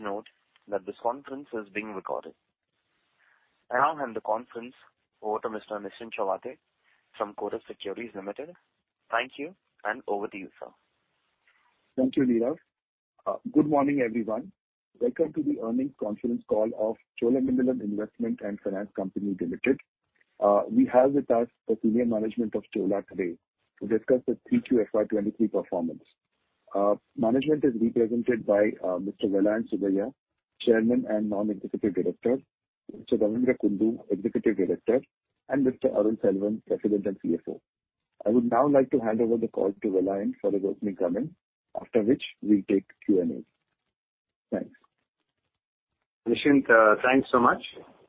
Please note that this conference is being recorded. I now hand the conference over to Mr. Nischint Chawathe from Kotak Securities Limited. Thank you, and over to you, sir. Thank you, Neerav. Good morning, everyone. Welcome to the earnings conference call of Cholamandalam Investment and Finance Company Limited. We have with us the senior management of Chola today to discuss the three year FY23 performance. Management is represented by Mr. Vellayan Subbiah, Chairman and Non-Executive Director; Mr. Ravindra Kundu, Executive Director; and Mr. Arul Selvan, President and CFO. I would now like to hand over the call to Vellayan for the opening comments, after which we'll take Q&A. Thanks. Nischint, thanks so much.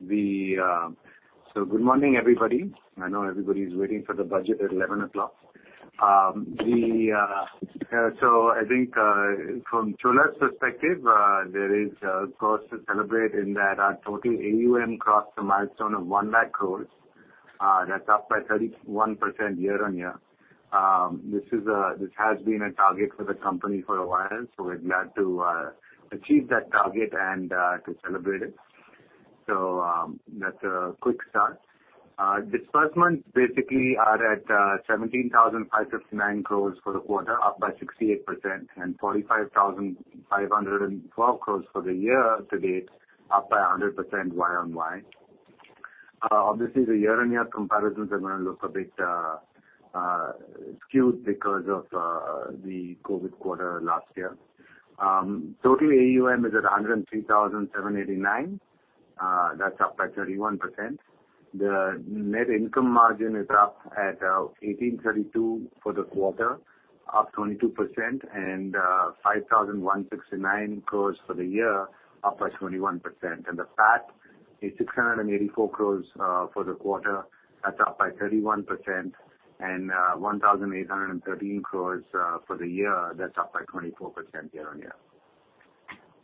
Good morning, everybody. I know everybody's waiting for the budget at 11:00. I think from Chola's perspective, there is cause to celebrate in that our total AUM crossed the milestone of 1 lakh crore. That's up by 31% year-on-year. This has been a target for the company for a while, so we're glad to achieve that target and to celebrate it. That's a quick start. Disbursements basically are at 17,559 crore for the quarter, up by 68% and 45,512 crore for the year to date, up by 100% year-on-year. Obviously, the year-on-year comparisons are gonna look a bit skewed because of the COVID quarter last year. Total AUM is at 103,789 crores. That's up by 31%. The net income margin is up at 1,832 for the quarter, up 22% and 5,169 crores for the year, up by 21%. The PAT is 684 crores for the quarter. That's up by 31% and 1,813 crores for the year. That's up by 24%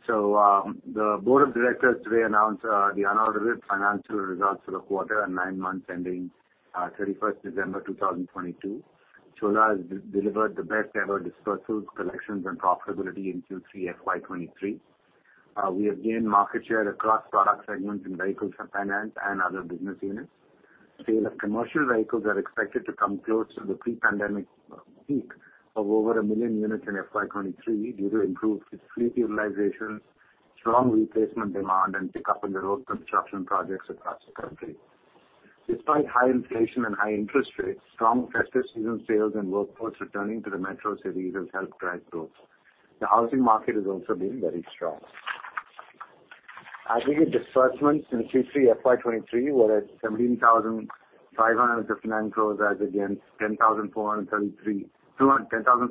year-on-year. The board of directors today announced the unaudited financial results for the quarter and nine months ending 31st December 2022. Chola has delivered the best-ever disbursements, collections and profitability in Q3 FY23. We have gained market share across product segments in vehicles finance and other business units. Sale of commercial vehicles are expected to come close to the pre-pandemic peak of over one million units in FY 2023 due to improved fleet utilization, strong replacement demand and pick up in the road construction projects across the country. Despite high inflation and high interest rates, strong festive season sales and workforce returning to the metro cities has helped drive growth. The housing market has also been very strong. Aggregate disbursements in Q3 FY 2023 were at 17,559 crore as against 10,430 crore in Q3 FY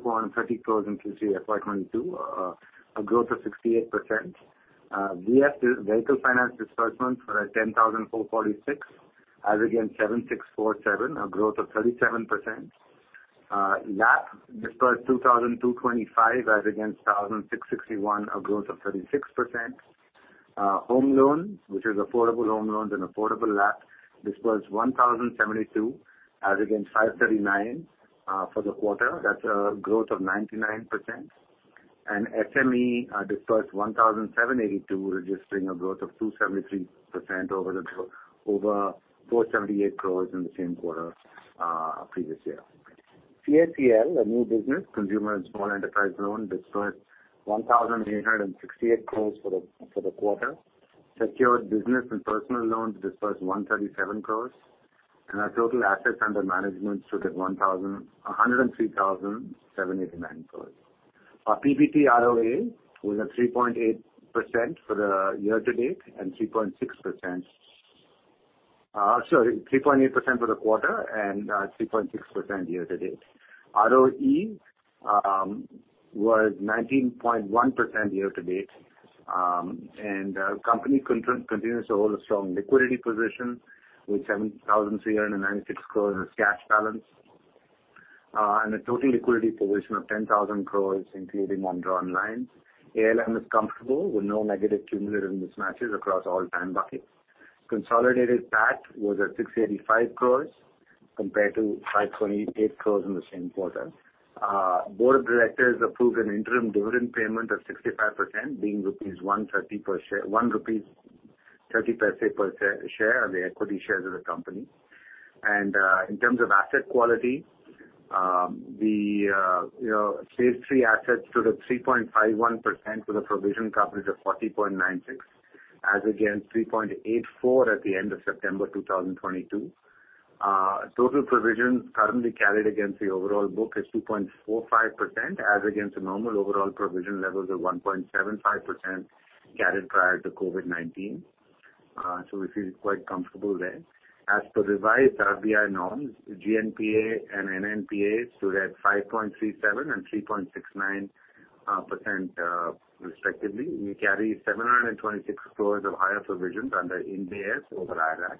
2022, a growth of 68%. VF, Vehicle Finance disbursement were at 10,446 as against 7,647, a growth of 37%. LAP dispersed 2,225 as against 1,661, a growth of 36%. Home loans, which is affordable home loans and affordable LAP, dispersed 1,072 as against 539 for the quarter. That's a growth of 99%. SME dispersed 1,782, registering a growth of 273% over 478 crores in the same quarter previous year. CSEL, a new business, Consumer and Small Enterprise Loan, dispersed 1,868 crores for the quarter. Secured business and personal loans dispersed 137 crores. Our total assets under management stood at 103,789 crores. Our PBT ROA was at 3.8% for the year to date and 3.6%. Sorry, 3.8% for the quarter and 3.6% year to date. ROE was 19.1% year to date. company continues to hold a strong liquidity position with 7,396 crores as cash balance, and a total liquidity position of 10,000 crores, including undrawn lines. ALM is comfortable with no negative cumulative mismatches across all time buckets. Consolidated PAT was at 685 crores compared to 528 crores in the same quarter. board of directors approved an interim dividend payment of 65% being rupees 1.30 per share 1.30 rupees per share of the equity shares of the company. in terms of asset quality, the, you know, Stage Three assets stood at 3.51% with a provision coverage of 40.96%, as against 3.84% at the end of September 2022. Total provisions currently carried against the overall book is 2.45% as against the normal overall provision levels of 1.75% carried prior to COVID-19. We feel quite comfortable there. As per revised RBI norms, GNPA and NNPA stood at 5.37% and 3.69% respectively. We carry 726 crores of higher provisions under Ind AS over IRAC.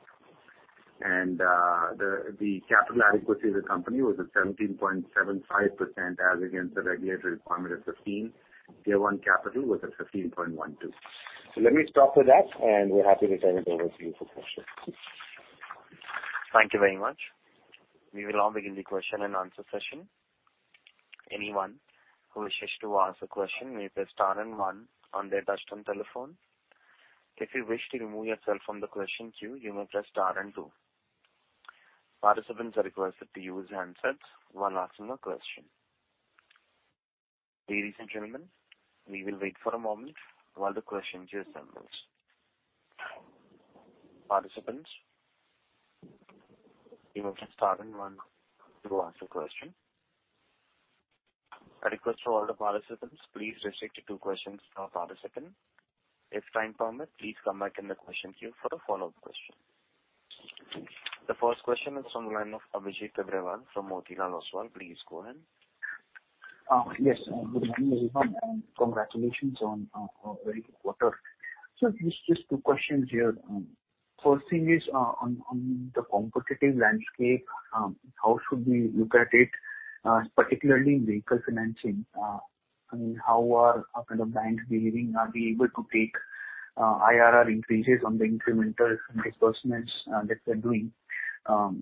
The capital adequacy of the company was at 17.75% as against the regulatory requirement of 15%. Tier one capital was at 15.12%. Let me stop with that, and we're happy to turn it over to you for questions. Thank you very much. We will now begin the question and answer session. Anyone who wishes to ask a question may press star one on their touchtone telephone. If you wish to remove yourself from the question queue, you may press star two. Participants are requested to use handsets while asking a question. Ladies and gentlemen, we will wait for a moment while the question queue assembles. Participants, you may press star one to ask a question. A request for all the participants, please restrict to two questions per participant. If time permit, please come back in the question queue for the follow-up question. The first question is on the line of Abhijeet Tibrewal from Motilal Oswal. Please go ahead. Yes. Good morning, everyone, congratulations on a very good quarter. Just two questions here. First thing is on the competitive landscape, how should we look at it particularly in vehicle financing? I mean, how are kind of banks behaving? Are they able to take IRR increases on the incremental disbursements that they're doing?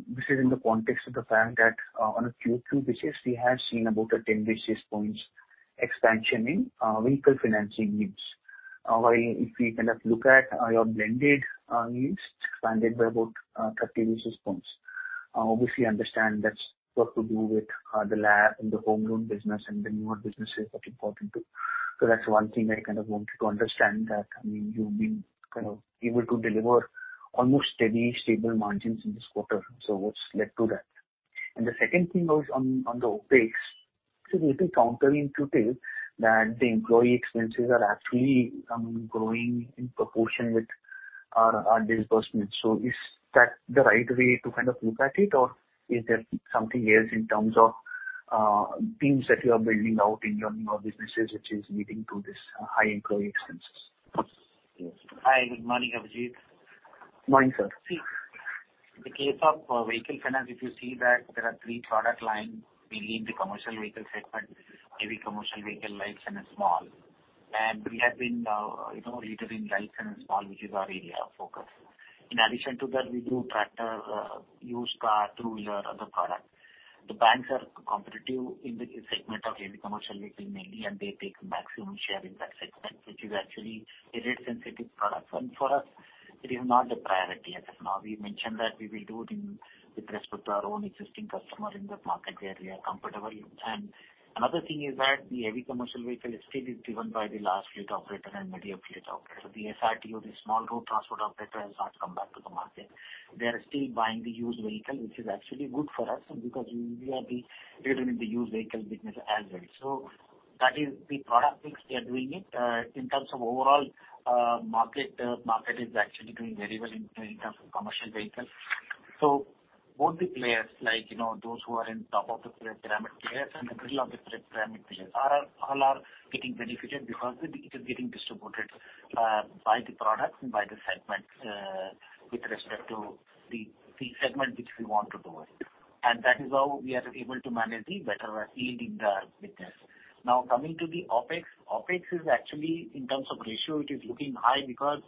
This is in the context of the fact that on a QOQ basis, we have seen about a ten basis points expansion in vehicle financing needs. While if we kind of look at your blended needs expanded by about 30 basis points. Obviously understand that's got to do with the home loan business and the newer businesses that you've brought into. That's one thing I kind of wanted to understand that, I mean, you've been kind of able to deliver almost steady, stable margins in this quarter. What's led to that? The second thing was on the OpEx. A little counterintuitive that the employee expenses are actually growing in proportion with our disbursements. Is that the right way to kind of look at it? Or is there something else in terms of teams that you are building out in your newer businesses which is leading to this high employee expenses? Yes. Hi. Good morning, Abhijeet. Morning, sir. See, in the case of vehicle finance, if you see that there are 3 product line we need the commercial vehicle segment, which is heavy commercial vehicle, light and small. We have been, you know, leaders in light and small which is our area of focus. In addition to that, we do tractor, used car through your other product. The banks are competitive in the segment of heavy commercial vehicle mainly, and they take maximum share in that segment, which is actually a rate-sensitive product. For us it is not a priority as of now. We mentioned that we will do it in with respect to our own existing customer in that market where we are comfortable. Another thing is that the heavy commercial vehicle still is driven by the large fleet operator and medium fleet operator. The SRTO, the small road transport operator, has not come back to the market. They are still buying the used vehicle, which is actually good for us because we are the leader in the used vehicle business as well. That is the product mix. We are doing it. In terms of overall market is actually doing very well in terms of commercial vehicles. Both the players like, you know, those who are in top of the pyramid players and the middle of the pyramid players are all are getting benefited because it is getting distributed by the products and by the segment with respect to the segment which we want to do it. That is how we are able to manage the better yield in the business. Now, coming to the OpEx. OpEx is actually in terms of ratio, it is looking high because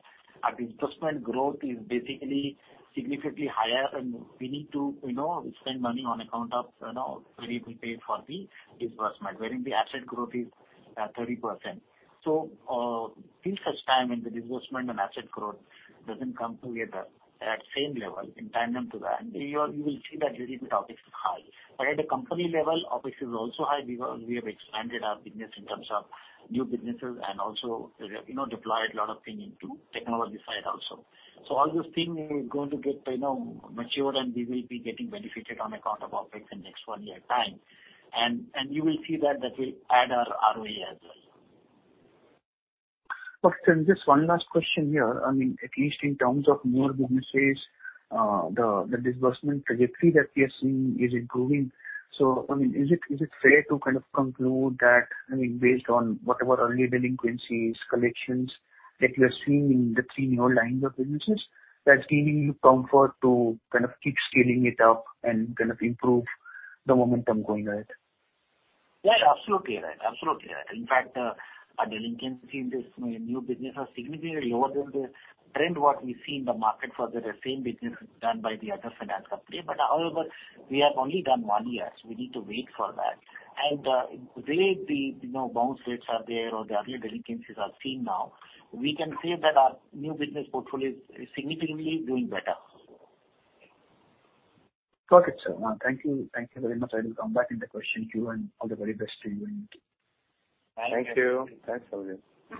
our disbursement growth is basically significantly higher and we need to, you know, spend money on account of, you know, variable pay for the disbursement, wherein the asset growth is 30%. Till such time when the disbursement and asset growth doesn't come together at same level in tandem to that, you will see that little bit OpEx is high. At a company level, OpEx is also high because we have expanded our business in terms of new businesses and also, you know, deployed a lot of thing into technology side also. All those things are going to get, you know, mature and we will be getting benefited on account of OpEx in next one year time. You will see that will add our ROE as well. Perfect. Just one last question here. I mean, at least in terms of newer businesses, the disbursement trajectory that we are seeing is improving. I mean, is it fair to kind of conclude that, I mean, based on whatever early delinquencies, collections that you are seeing in the three newer lines of businesses, that's giving you comfort to kind of keep scaling it up and kind of improve the momentum going ahead? Yeah, absolutely right. Absolutely right. In fact, our delinquency in this new business are significantly lower than the trend what we see in the market for the same business done by the other finance company. However, we have only done one year. We need to wait for that. The way the, you know, bounce rates are there or the early delinquencies are seen now, we can say that our new business portfolio is significantly doing better. Perfect, sir. Thank you. Thank you very much. I will come back in the question queue and all the very best to you and your team. Thank you. Thank you. Thanks, Abhijeet.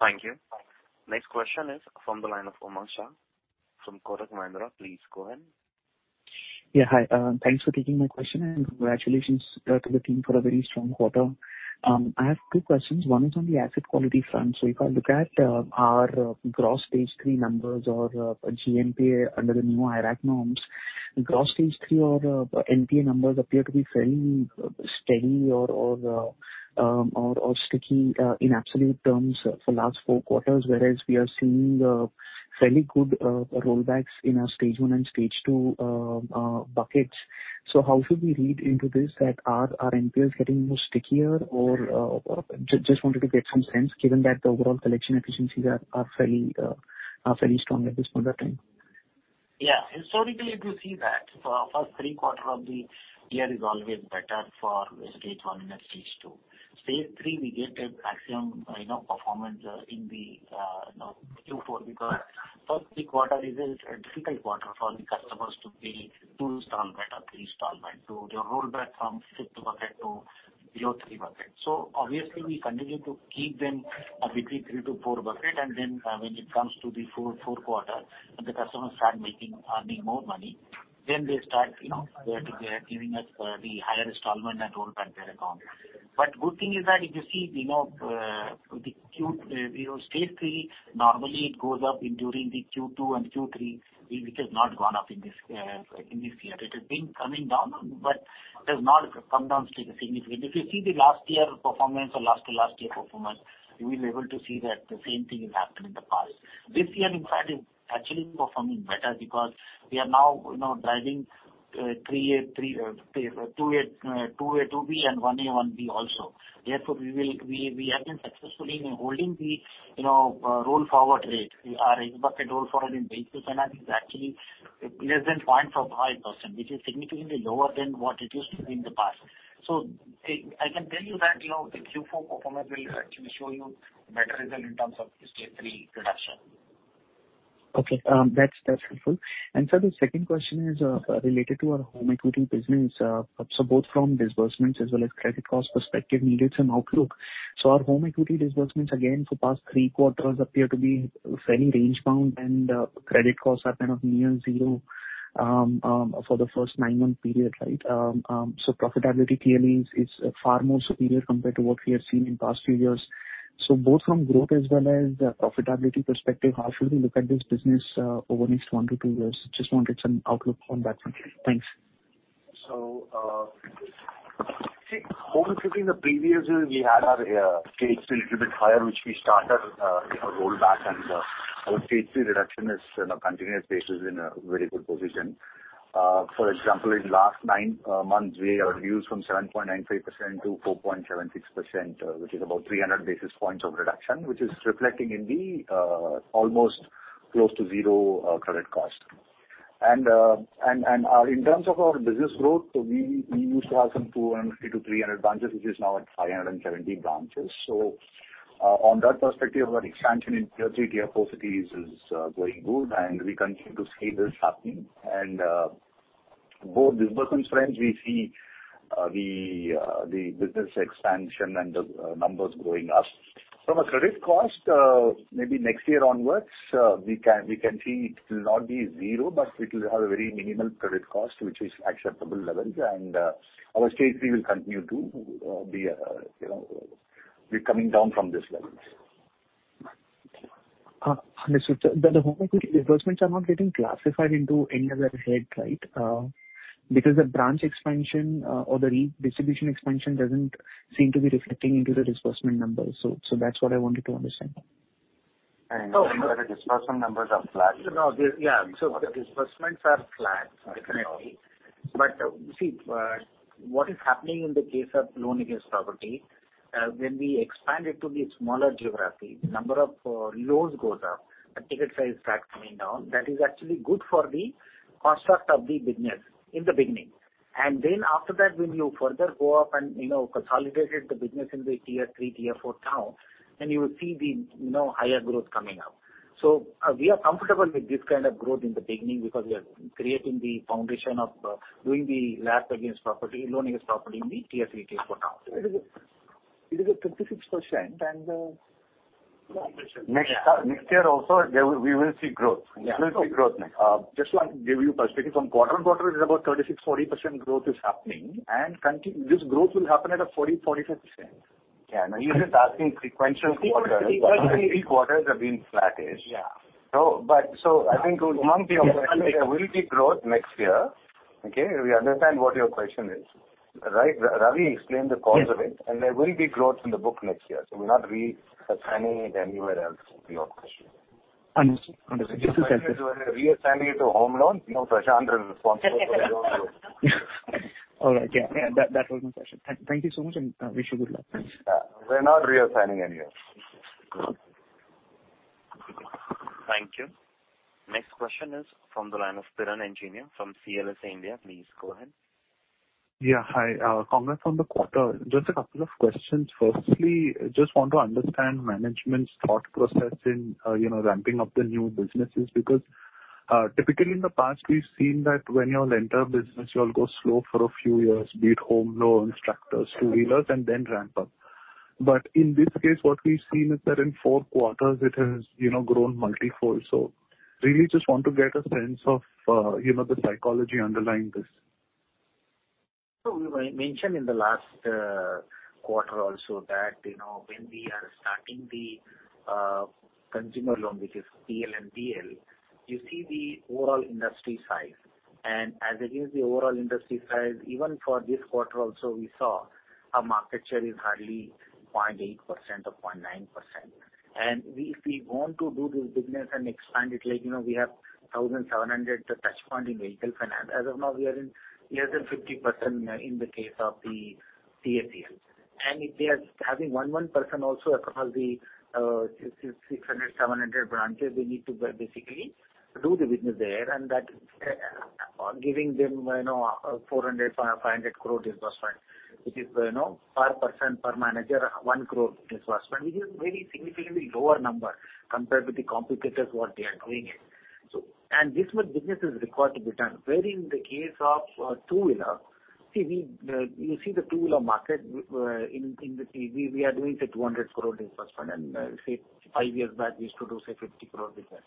Thank you. Next question is from the line of Upmanyu Shah from Kotak Mahindra. Please go ahead. Yeah. Hi, thanks for taking my question and congratulations to the team for a very strong quarter. I have two questions. One is on the asset quality front. If I look at our gross stage three numbers or GNPA under the new IRAC norms, gross stage three or NPA numbers appear to be fairly steady or sticky in absolute terms for last four quarters, whereas we are seeing fairly good rollbacks in our stage one and stage two buckets. How should we read into this that are our NPLs getting more stickier or... Just wanted to get some sense given that the overall collection efficiencies are fairly strong at this point of time. Yeah. Historically, if you see that for first three quarters of the year is always better for Stage one and Stage two. Stage three, we get a maximum, you know, performance in the, you know, Q4 because first three quarters is a difficult quarter for the customers to pay two installments or three installments. They roll back from 6th bucket to below three buckets. Obviously we continue to keep them between three to four buckets and then when it comes to the fourth quarter and the customers start making, earning more money, then they start, you know, where they are giving us the higher installment and roll back their account. Good thing is that if you see, you know, the Q... You know, stage three, normally it goes up in during the Q2 and Q3, it has not gone up in this year. It has been coming down. It has not come down significantly. If you see the last year performance or last to last year performance, you will be able to see that the same thing has happened in the past. This year in fact is actually performing better because we are now, you know, driving three stage two, 2a, 2b and 1a, 1b also. We have been successfully holding the, you know, roll forward rate. Our bucket roll forward in basis that is actually less than 0.5%, which is significantly lower than what it used to be in the past. I can tell you that, you know, the Q4 performance will actually show you better result in terms of stage three reduction. Okay. That's helpful. Sir, the second question is related to our home equity business. Both from disbursements as well as credit cost perspective needed some outlook. Our home equity disbursements again for past three quarters appear to be fairly range bound and credit costs are kind of near zero for the first nine month period, right? Profitability clearly is far more superior compared to what we have seen in past few years. Both from growth as well as profitability perspective, how should we look at this business over next one to two years? Just wanted some outlook on that front. Thanks. See, home equity in the previous years we had our stage three little bit higher, which we started, you know, roll back and our stage three reduction is in a continuous basis in a very good position. For example, in last nine months, we have reduced from 7.95% to 4.76%, which is about 300 basis points of reduction, which is reflecting in the almost close to zero credit cost. In terms of our business growth, we used to have some 250-300 branches, which is now at 570 branches. On that perspective, our expansion in tier three, tier four cities is going good and we continue to see this happening. Both disbursements trends we see the business expansion and the numbers going up. From a credit cost, maybe next year onwards, we can see it will not be zero, but it will have a very minimal credit cost, which is acceptable levels. Our Stage three will continue to be, you know, coming down from this levels. understood. The home equity disbursements are not getting classified into any other head, right? Because the branch expansion, or the redistribution expansion doesn't seem to be reflecting into the disbursement numbers. That's what I wanted to understand. Remember the disbursement numbers are flat. No. Yeah. The disbursements are flat, definitely. See, what is happening in the case of loan against property, when we expand it to the smaller geography, number of loans goes up and ticket size starts coming down. That is actually good for the construct of the business in the beginning. After that, when you further go up and, you know, consolidated the business in the tier three, tier four town, you will see the, you know, higher growth coming up. We are comfortable with this kind of growth in the beginning because we are creating the foundation of doing the LAP against property, loan against property in the tier three, tier four town. It is a, it is a thirty-six percent and, uh- Next, next year also there we will see growth. Yeah. We will see growth next year. Just want to give you perspective from quarter-on-quarter is about 36%, 40% growth is happening. This growth will happen at a 40%, 45%. Yeah. No, you're just asking sequential quarter. Sequential quarter. Three quarters have been flattish. Yeah. I think there will be growth next year. Okay? We understand what your question is, right? Ravi explained the cause of it. Yes. There will be growth in the book next year. We're not re-signing it anywhere else to your question. Understood. Understood. If you reassigning it to home loans, you know Prashant is responsible for that. All right. Yeah. Yeah. That was my question. Thank you so much, and wish you good luck. Thanks. We're not reassigning anywhere. Thank you. Thank you. Next question is from the line of Kiran Engineer from CLSA India. Please go ahead. Yeah, hi. congrats on the quarter. Just a couple of questions. Firstly, just want to understand management's thought process in, you know, ramping up the new businesses because typically in the past we've seen that when you'll enter a business you'll go slow for a few years, be it home loans, tractors, two wheelers and then ramp up. In this case what we've seen is that in four quarters it has, you know, grown multi-fold. Really just want to get a sense of, you know, the psychology underlying this. We mentioned in the last quarter also that, you know, when we are starting the consumer loan, which is PL and DL, you see the overall industry size and as against the overall industry size even for this quarter also we saw our market share is hardly 0.8% or 0.9%. We, if we want to do this business and expand it like, you know, we have 1,700 touch point in vehicle finance. As of now we are in less than 50% in the case of the CFL. If they are having one person also across the 600-700 branches, they need to basically do the business there and that giving them, you know, 400 crore-500 crore disbursement, which is, you know, per person, per manager, 1 crore disbursement, which is very significantly lower number compared with the competitors what they are doing it. This much business is required to be done. Wherein the case of two-wheeler, see we, you see the two-wheeler market in the... We are doing, say 200 crore disbursement. Say five years back, we used to do, say 50 crore disbursement.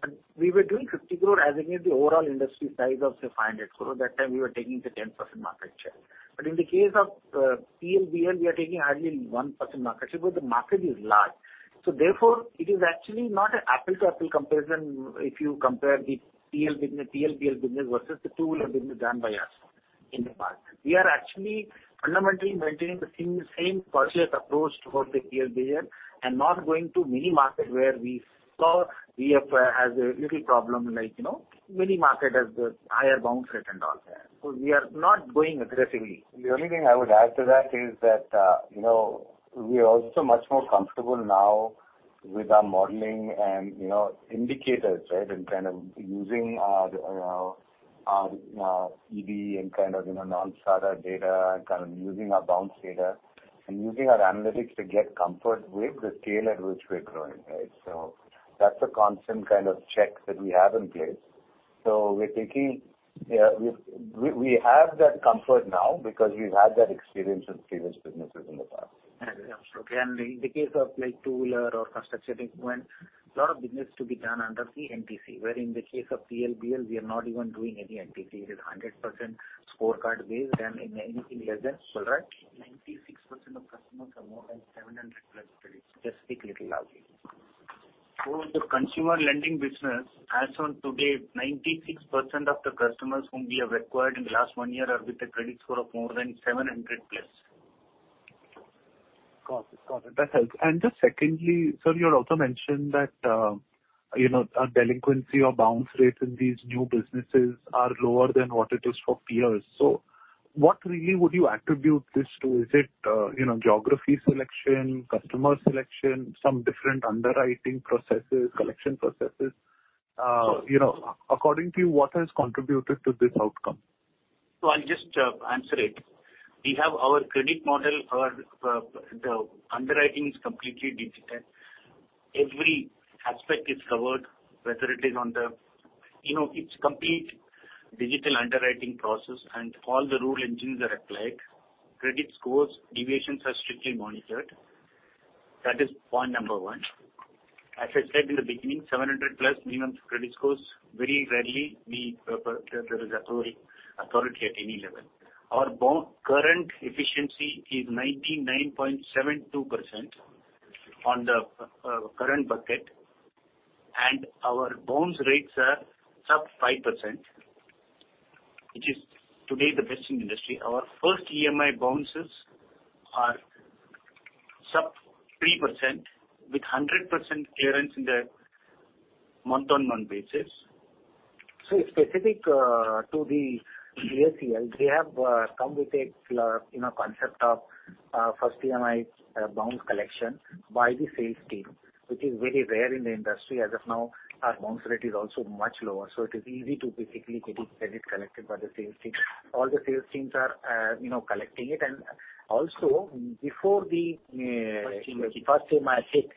And we were doing 50 crore against the overall industry size of, say 500 crore. That time we were taking, say 10% market share. In the case of PLBL, we are taking hardly 1% market share because the market is large. Therefore it is actually not an apple-to-apple comparison if you compare the PL business, PLBL business versus the two-wheeler business done by us in the past. We are actually fundamentally maintaining the same cautious approach towards the PLBL and not going to mini market where we saw we have has a little problem like, you know, mini market has the higher bounce rate and all that. We are not going aggressively. The only thing I would add to that is that, you know, we are also much more comfortable now with our modeling and, you know, indicators, right, and kind of using our EV and kind of, you know, non-SCRA data and kind of using our bounce data and using our analytics to get comfort with the scale at which we're growing, right? That's a constant kind of check that we have in place. We're taking, we have that comfort now because we've had that experience with previous businesses in the past. Absolutely. In the case of like two wheeler or construction equipment, lot of business to be done under the NPCI, wherein the case of PLBL, we are not even doing any NPCI. It is a 100% scorecard based and anything less than full run. 96% of customers are more than 700+ credit score. Just speak little loudly. The consumer lending business, as on today, 96% of the customers whom we have acquired in the last one year are with a credit score of more than 700 plus. Got it. Got it. That helps. Just secondly, sir, you had also mentioned that, you know, our delinquency or bounce rates in these new businesses are lower than what it is for peers. What really would you attribute this to? Is it, you know, geography selection, customer selection, some different underwriting processes, collection processes? You know, according to you, what has contributed to this outcome? I'll just answer it. We have our credit model. Our the underwriting is completely digital. Every aspect is covered, whether it is on the. You know, it's complete digital underwriting process and all the rule engines are applied. Credit scores, deviations are strictly monitored. That is point number one. As I said in the beginning, 700+ minimum credit scores, very rarely we approve, there is authority at any level. Our current efficiency is 99.72% on the current bucket, and our bounce rates are sub 5%, which is today the best in industry. Our first EMI bounces are sub 3% with 100% clearance in the month-on-month basis. Specific to the HCL, we have come with a, you know, concept of first EMI bounce collection by the sales team, which is very rare in the industry. As of now, our bounce rate is also much lower, so it is easy to basically get it credit collected by the sales team. All the sales teams are, you know, collecting it. Also before the first EMI hit,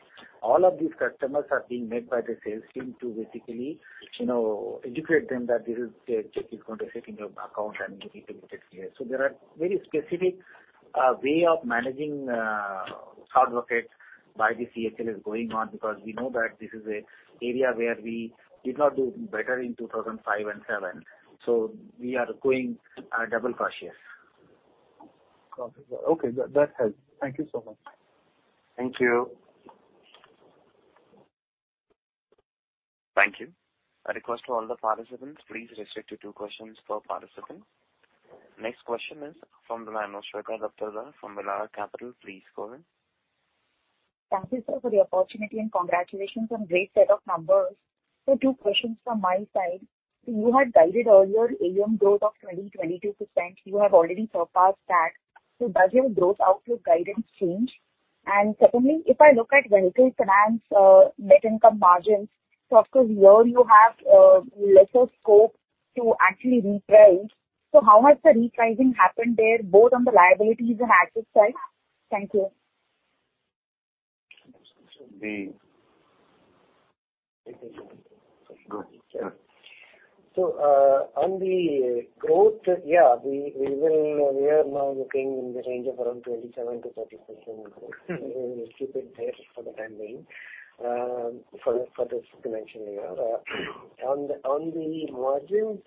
all of these customers are being met by the sales team to basically, you know, educate them that this is check is going to sit in your account and you need to get it cleared. There are very specific way of managing card buckets by the HFC is going on because we know that this is a area where we did not do better in 2005 and 2007. We are going double cautious. Got it. Okay. That, that helps. Thank you so much. Thank you. Thank you. A request to all the participants, please restrict to two questions per participant. Next question is from from Mahrukh Adajania from Mirae Asset Capital Markets. Please go ahead. Thank you, sir, for the opportunity and congratulations on great set of numbers. Two questions from my side. You had guided earlier AUM growth of 20%-22%. You have already surpassed that. Does your growth outlook guidance change? Secondly, if I look at vehicle finance, net income margins, of course here you have lesser scope to actually reprice. How has the repricing happened there, both on the liabilities and assets side? Thank you. On the growth, yeah, we are now looking in the range of around 27%-30% growth. We will keep it there for the time being, for this dimension year. On the margins,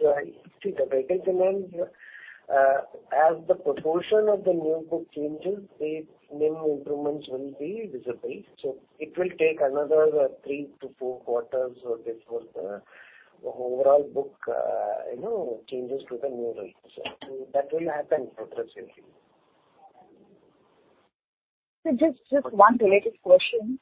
see the vehicle finance, as the proportion of the new book changes, the NIM improvements will be visible. It will take another three to four quarters or before the overall book, you know, changes to the new rates. That will happen progressively. Just one related question.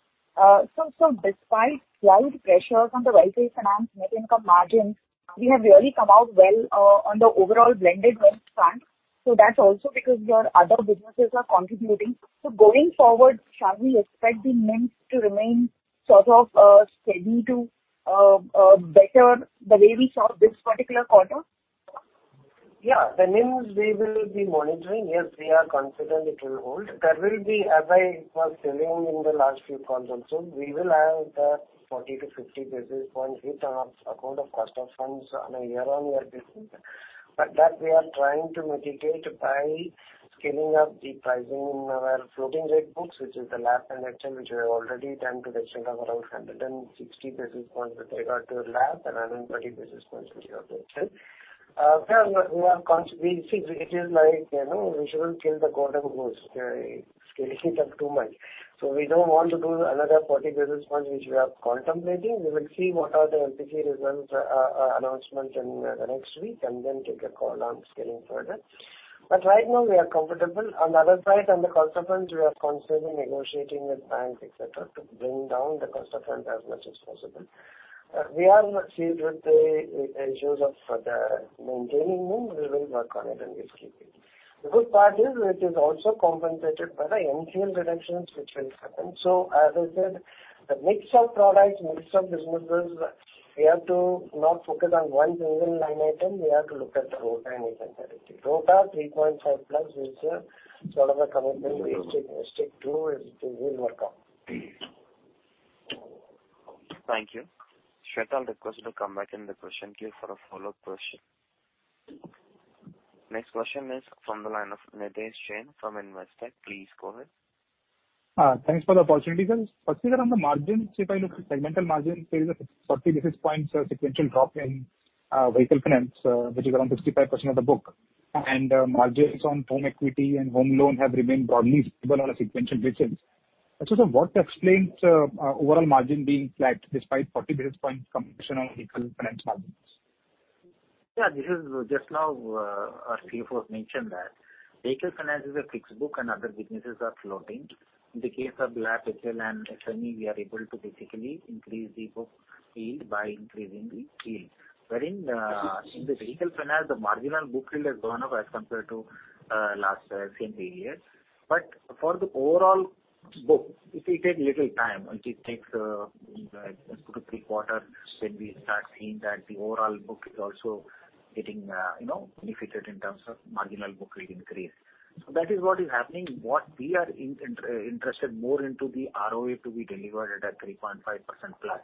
Despite wide pressures on the welfare finance net income margins, we have really come out well on the overall blended NIM front. That's also because your other businesses are contributing. Going forward, shall we expect the NIMs to remain sort of steady to better the way we saw this particular quarter? The NIMs we will be monitoring. We are confident it will hold. There will be, as I was telling in the last few calls also, we will have the 40 to 50 basis point hit on account of cost of funds on a year-on-year basis. That we are trying to mitigate by scaling up the pricing in our floating rate books, which is the LAP and HCL, which we have already done to the extent of around 160 basis points with regard to LAP and 130 basis points with regard to HCL. We are, we see which is like, you know, we shouldn't kill the golden goose by scaling it up too much. We don't want to do another 40 basis point which we are contemplating. We will see what are the MPC results announcement in the next week and then take a call on scaling further. But right now we are comfortable. On the other side, on the cost of funds, we are constantly negotiating with banks, et cetera, to bring down the cost of funds as much as possible. We are pleased with the issues of maintaining NIMs. We will work on it and we'll keep it. The good part is it is also compensated by the NCL reductions which will happen. As I said, the mix of products, mix of businesses, we have to not focus on one single line item. We have to look at the ROA and profitability. ROA 3.5+ is sort of a commitment we stick to and it will work out. Thank you. Shwetal requested to come back in the question queue for a follow-up question. Next question is from the line of Nidhesh Jain from Investec. Please go ahead. Thanks for the opportunity, sir. Firstly, on the margins, if I look at segmental margins, there is a 40 basis points sequential drop in vehicle finance, which is around 65% of the book. Margins on home equity and home loan have remained broadly stable on a sequential basis. Sir, what explains overall margin being flat despite 40 basis points compression on vehicle finance margins? This is just now, our CFO has mentioned that. Vehicle finance is a fixed book and other businesses are floating. In the case of LAP, HCL and SME, we are able to basically increase the book yield by increasing the yield. Wherein, in the vehicle finance, the marginal book yield has gone up as compared to last same period. For the overall book, it will take little time. It takes two to three quarters when we start seeing that the overall book is also getting, you know, benefited in terms of marginal book yield increase. That is what is happening. What we are interested more into the ROE to be delivered at a 3.5% plus,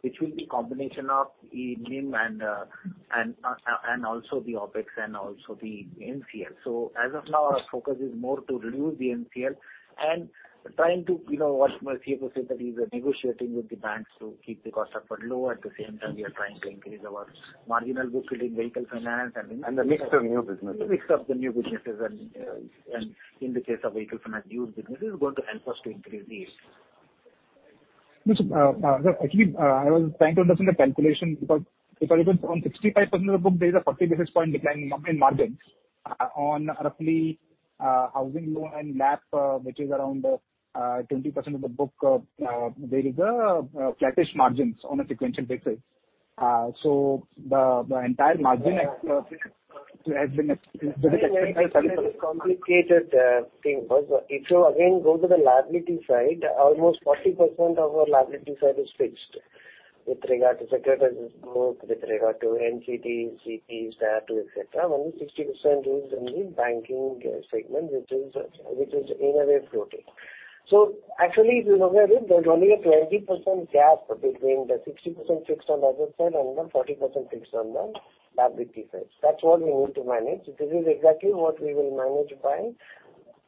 which will be combination of the NIM and also the OpEx and also the NCL. As of now, our focus is more to reduce the NCL and trying to, you know, what Vellayan Subbiah was saying that he's negotiating with the banks to keep the cost upper low. At the same time, we are trying to increase our marginal book yield in vehicle finance. The mix of new businesses. The mix of the new businesses and in the case of vehicle finance, used business is going to help us to increase these. Yes, actually, I was trying to understand the calculation because if I look on 65% of the book, there is a 40 basis point decline in margins. On roughly, housing loan and LAP, which is around, 20% of the book, there is a flattish margins on a sequential basis. The entire margin has been- It's a complicated thing. If you again go to the liability side, almost 40% of our liability side is fixed with regard to secretaries book, with regard to NCD, CP, stat, et cetera. Only 60% is in the banking segment, which is in a way floating. Actually, if you look at it, there's only a 20% gap between the 60% fixed on asset side and the 40% fixed on the liability side. That's what we need to manage. This is exactly what we will manage by,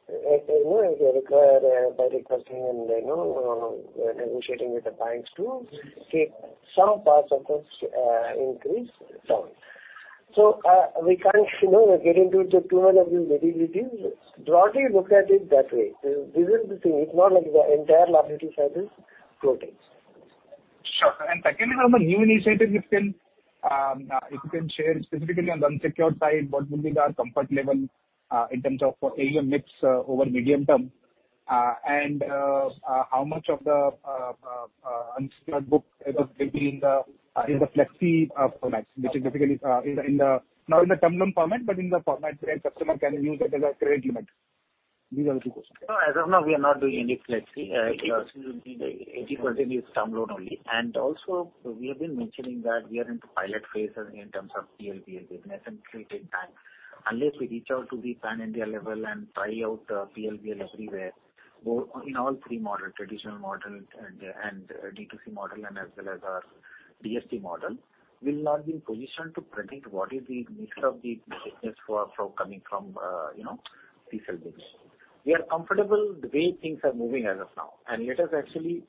you know, if we require by requesting and, you know, negotiating with the banks to keep some parts of this increase down. We can't, you know, get into too much of the nitty-gritty. Broadly look at it that way. This is the thing. It's not like the entire liability side is floating. Sure. Secondly, on the new initiative, if you can, if you can share specifically on the unsecured side, what will be the comfort level in terms of AUM mix over medium term? How much of the unsecured book ever will be in the Flexi format, which is typically in the Not in the term loan format, but in the format where customer can use it as a credit limit? These are the two questions. As of now, we are not doing any flexi. 80% is term loan only. Also we have been mentioning that we are into pilot phases in terms of PLBL business and it will take time. Unless we reach out to the pan-India level and try out PLBL everywhere, in all three model, traditional model and D2C model and as well as our DSP model, we'll not be in position to predict what is the mix of the business for coming from, you know, PLBL business. We are comfortable the way things are moving as of now, it has actually,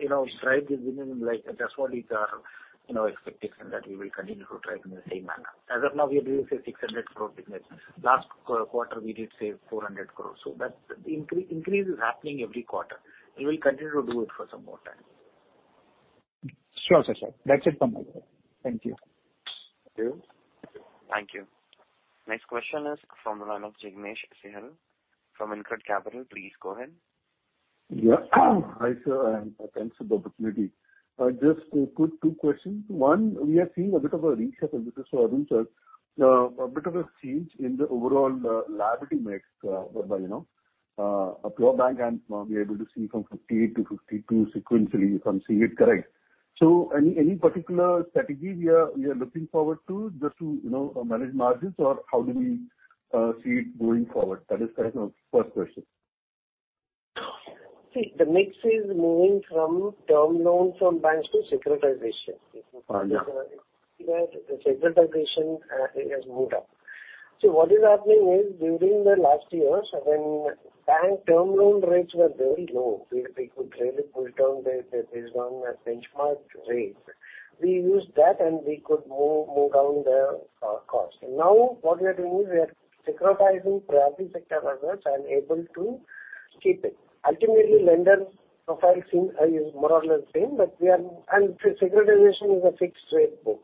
you know, tried the business like that's what is our, you know, expectation that we will continue to drive in the same manner. As of now, we are doing, say, 600 crore business. Last quarter, we did, say, 400 crores. That the increase is happening every quarter. We will continue to do it for some more time. Sure, sure. That's it from my side. Thank you. Thank you. Thank you. Next question is from the line of Jignesh Shial from Incred Capital. Please go ahead. Yeah. Hi, sir, and thanks for the opportunity. I just quick two questions. One, we are seeing a bit of a reshuffle. This is for Arul Selvan, sir. A bit of a change in the overall liability mix, you know, of your bank, and now we're able to see from 50%-52% sequentially if I'm seeing it correct. Any particular strategy we are looking forward to just to, you know, manage margins or how do we see it going forward? That is kind of first question. The mix is moving from term loans from banks to securitization. Yeah. You know, the securitization has moved up. What is happening is during the last years when bank term loan rates were very low, we could really push down the based on the benchmark rates. We used that and we could move down the cost. What we are doing is we are securitizing priority sector loans and able to keep it. Ultimately, lender profile seem is more or less same, but we are. Securitization is a fixed rate book,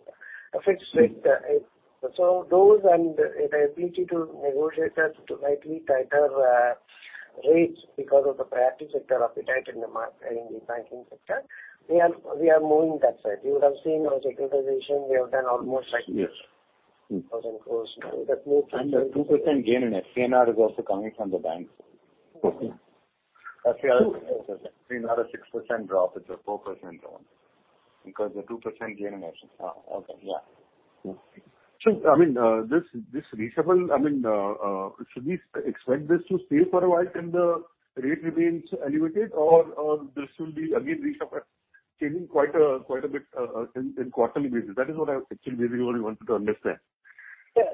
a fixed rate. Those and the ability to negotiate that to slightly tighter rates because of the priority sector appetite in the market, in the banking sector, we are moving that side. You would have seen our securitization, we have done almost. Yes. INR 1,000 crores now. That move from- A 2% gain in FCNR is also coming from the banks. Okay. FCNR is a 6% drop, it's a 4% loan because the 2% gain in FCNR. Oh, okay. Yeah. Mm-hmm. I mean, this reshuffle, I mean, should we expect this to stay for a while can the rate remains elevated or this will be again reshuffle changing quite a bit, in quarterly basis? That is what I actually really wanted to understand. Yeah.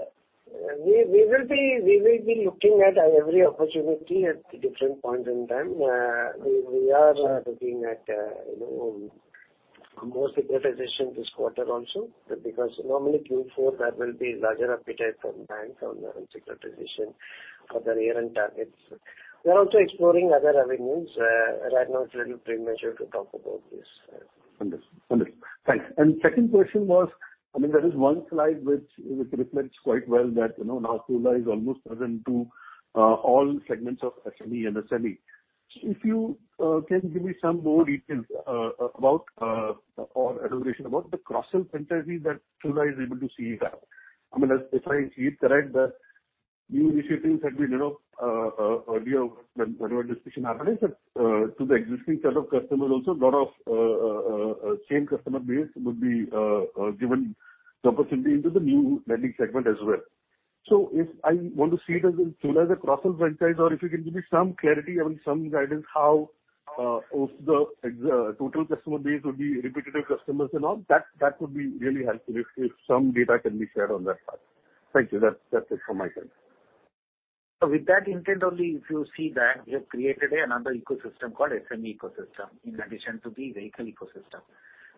We will be looking at every opportunity at different points in time. We are looking at, you know, more securitization this quarter also because normally Q4 there will be larger appetite from banks on the securitization for their year-end targets. We are also exploring other avenues. Right now it's little premature to talk about this, sir. Understood. Understood. Thanks. Second question was, I mean, there is one slide which reflects quite well that, you know, now Tula is almost present to all segments of SME. If you can give me some more details about or elaboration about the cross-sell synergy that Tula is able to see here. I mean, if I see it correct, the new initiatives that we, you know, earlier when our discussion happened is that to the existing set of customer also, lot of same customer base would be given the opportunity into the new lending segment as well. If I want to see it as in Tula as a cross-sell franchise or if you can give me some clarity, I mean, some guidance how of the total customer base would be repetitive customers and all, that would be really helpful if some data can be shared on that part. Thank you. That's it from my side. With that intent only, if you see that we have created another ecosystem called SME ecosystem in addition to the vehicle ecosystem,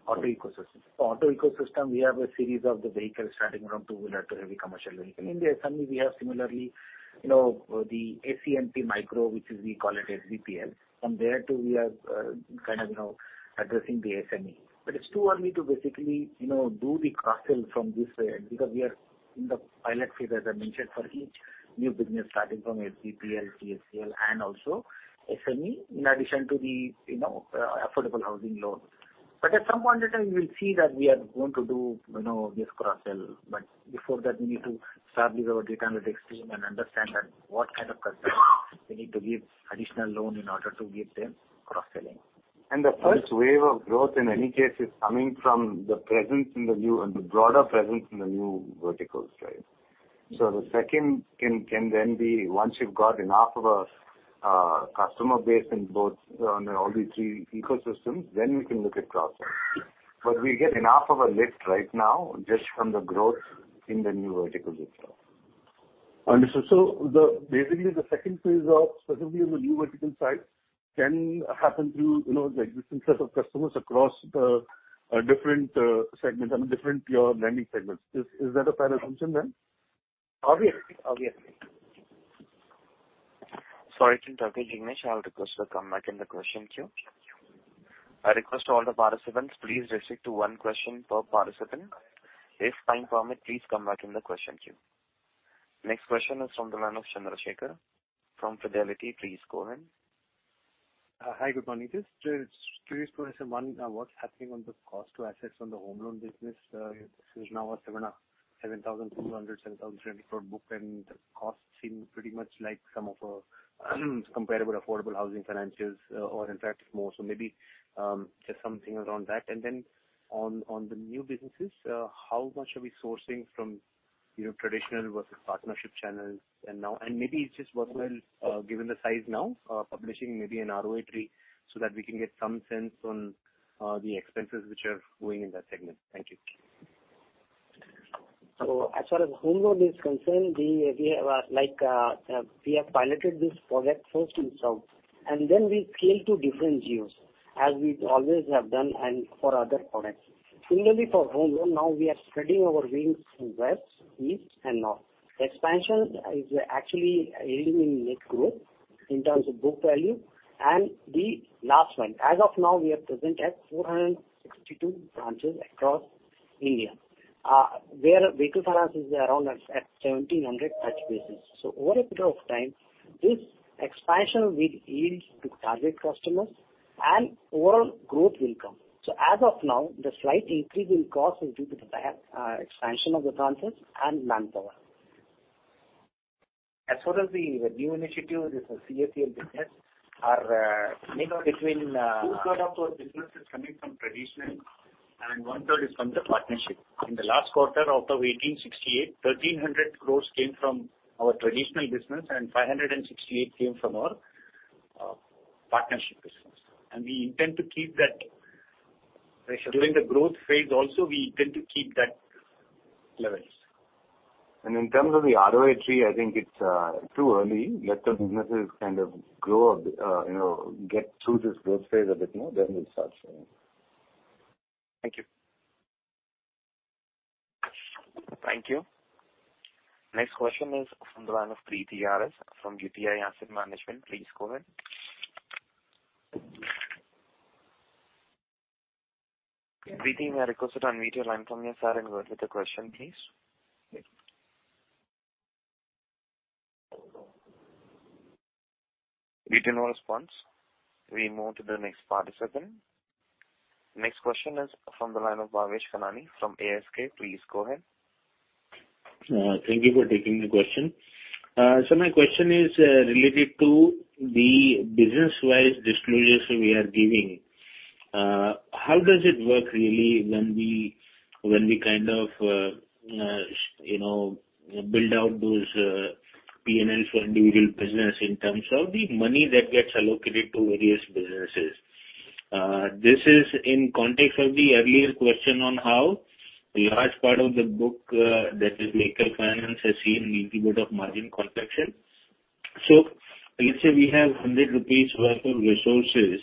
auto ecosystem. Auto ecosystem, we have a series of the vehicles starting from two-wheeler to heavy commercial vehicle. In the SME, we have similarly, you know, the ACMP micro, which is we call it SBPL. From there too, we are kind of, you know, addressing the SME. It's too early to basically, you know, do the cross-sell from this way because we are in the pilot phase, as I mentioned, for each new business starting from SBPL, TSPL and also SME in addition to the, you know, affordable housing loan. At some point in time, we will see that we are going to do, you know, this cross-sell. Before that, we need to establish our data analytics team and understand that what kind of customers we need to give additional loan in order to give them cross-selling. The first wave of growth in any case is coming from the presence in the new and the broader presence in the new verticals, right? The second can then be once you've got enough of a customer base in both on all the three ecosystems, then we can look at cross-sell. We get enough of a lift right now just from the growth in the new verticals itself. Understood. The basically the second phase of specifically on the new vertical side can happen through, you know, the existing set of customers across the different segment, I mean, different pure lending segments. Is that a fair assumption then? Obviously. Obviously. Sorry to interrupt you, Jignesh. I'll request you to come back in the question queue. I request all the participants please restrict to one question per participant. If time permit, please come back in the question queue. Next question is from the line of Chandrasekar from Fidelity. Please go ahead. Hi, good morning. Just two questions. One, what's happening on the cost to assets on the home loan business? This is now an 7,200, 7,020 crore book, and the cost seem pretty much like some of, comparable affordable housing financials, or in fact more so maybe, just something around that. Then on the new businesses, how much are we sourcing from, you know, traditional versus partnership channels and now? Maybe it's just worthwhile, given the size now, publishing maybe an ROE tree so that we can get some sense on, the expenses which are going in that segment. Thank you. As far as home loan is concerned, we have piloted this project first in South and then we scale to different geos as we always have done and for other products. Similarly for home loan, now we are spreading our wings in west, east and north. Expansion is actually aiding in net growth in terms of book value and the last one. As of now, we are present at 462 branches across India, where vehicle finance is around at 1,700 touchbases. Over a period of time, this expansion will yield to target customers and overall growth will come. As of now, the slight increase in cost is due to the bad expansion of the branches and manpower. As far as the new initiative is concerned, CAF business are made up between Two-third of our business is coming from traditional and one-third is from the partnership. In the last quarter of the 1,868 crores, 1,300 crores came from our traditional business and 568 crores came from our partnership business. We intend to keep that ratio. During the growth phase also we intend to keep that levels. In terms of the ROE, Sri, I think it's too early. Let the businesses kind of grow a bit, you know, get through this growth phase a bit more, then we'll start showing. Thank you. Thank you. Next question is from the line of Preeti RS from UTI Asset Management. Please go ahead. Preeti, may I request you to unmute your line from your side and go with the question, please? We get no response. We move to the next participant. Next question is from the line of Bhavesh Kanani from ASK. Please go ahead. Thank you for taking the question. My question is related to the business-wise disclosures we are giving. How does it work really when we, when we kind of, you know, build out those PNL for individual business in terms of the money that gets allocated to various businesses? This is in context of the earlier question on how a large part of the book, that is maker finance has seen little bit of margin complexion. Let's say we have 100 rupees worth of resources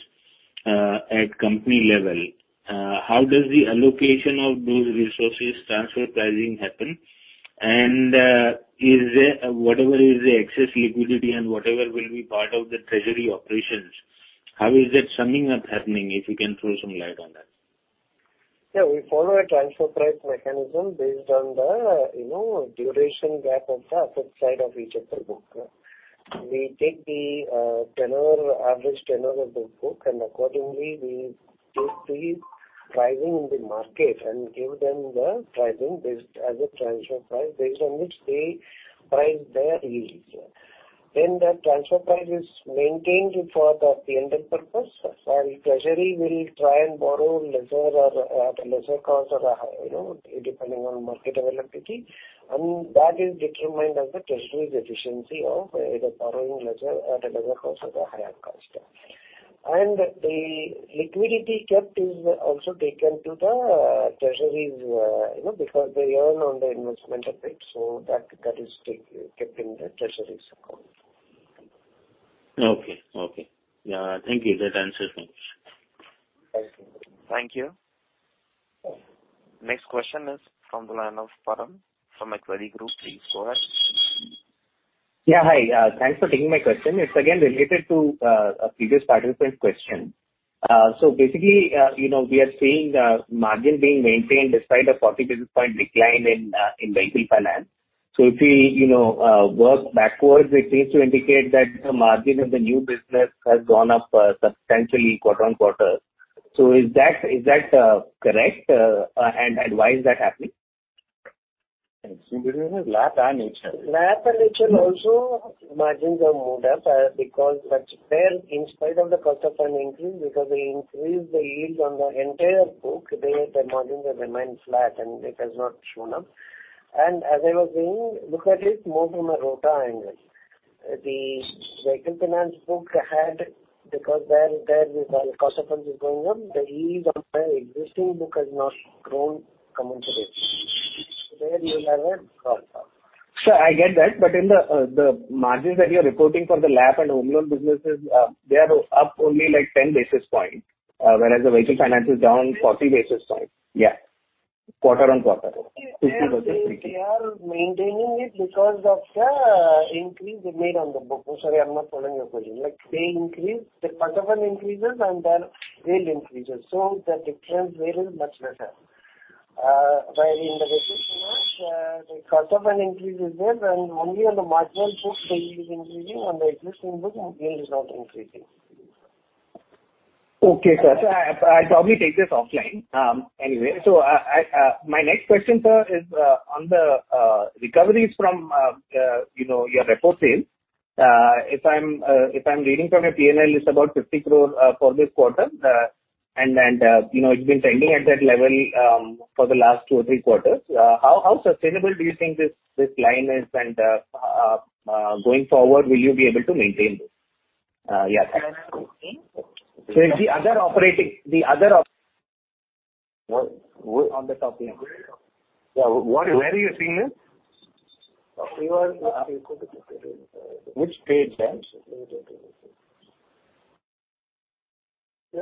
at company level. How does the allocation of those resources transfer pricing happen? Is there whatever is the excess liquidity and whatever will be part of the treasury operations, how is that summing up happening, if you can throw some light on that? Yeah, we follow a transfer price mechanism based on the, you know, duration gap of the asset side of each of the book. We take the tenor, average tenor of the book, and accordingly we take the pricing in the market and give them the pricing based as a transfer price based on which they price their yields. The transfer price is maintained for the intended purpose. Our treasury will try and borrow lesser or at a lesser cost or a high, you know, depending on market availability, and that is determined as the treasury's efficiency of either borrowing lesser at a lesser cost or a higher cost. The liquidity kept is also taken to the treasury's, you know, because they earn on the investment of it. That is kept in the treasury's account. Okay. Okay. Yeah. Thank you. That answers my question. Thank you. Thank you. Next question is from the line of Param from Equity Group. Please go ahead. Yeah, hi. Thanks for taking my question. It's again related to a previous participant's question. Basically, you know, we are seeing margin being maintained despite a 40 basis point decline in in vehicle finance. If we, you know, work backwards, it seems to indicate that the margin of the new business has gone up substantially quarter on quarter. Is that, is that, correct? Why is that happening? In business, LAP and nature. LAP and nature also margins are moved up, because but there in spite of the cost of fund increase because they increase the yield on the entire book, the margins have remained flat and it has not shown up. As I was saying, look at it more from a ROA angle. The vehicle finance book had because there is a cost of funds is going up. The yield on the existing book has not grown commensurately. There you will have a cross off. Sir, I get that. In the margins that you're reporting for the LAP and home loan businesses, they are up only like 10 basis points, whereas the vehicle finance is down 40 basis points. Yeah. Quarter-on-quarter. 50 versus 50. They are maintaining it because of the increase they made on the book. Sorry, I'm not following your question. Like, the cost of fund increases and their yield increases, so the difference there is much lesser. Where in the vehicle finance, the cost of fund increase is there and only on the marginal book the yield is increasing on the existing book, yield is not increasing. Okay, sir. I'll probably take this offline. Anyway, my next question, sir, is on the recoveries from, you know, your repo sales. If I'm reading from your PNL, it's about 50 crore for this quarter. You know, it's been trending at that level for the last two or three quarters. How sustainable do you think this line is? Going forward, will you be able to maintain this? Yes. Sorry, I'm not seeing. it's the other operating. Where? On the top here. Yeah. Where, where are you seeing this? Which page, Param?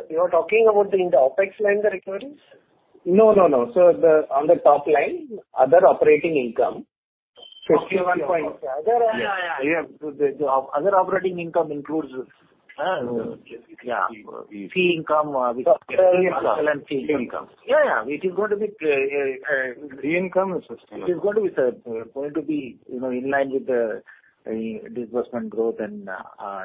You're talking about in the OpEx line, the recoveries? No, no. On the top line, other operating income. Yeah, yeah. Other operating income includes. Yeah. Fee income, with fee income. Yeah, yeah. It is going to be, you know, in line with the disbursement growth and,